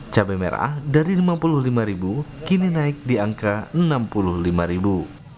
cabai merah dari rp lima puluh lima ribu kini naik di angka enam puluh lima ribu